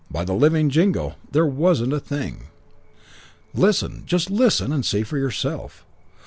By the living Jingo, there wasn't a thing. "Listen. Just listen and see for yourself.